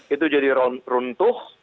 itu jadi runtuh